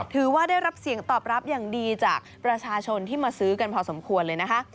ถือว่าได้รับเสียงตอบรับอย่างดีจากประชาชนที่มาซื้อกันพอสมควรเลยนะคะ